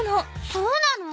そうなの？